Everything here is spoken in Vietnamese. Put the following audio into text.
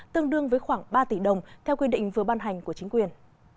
tương đương với khoảng ba tỷ đồng theo quy định vừa ban hành của chính quyền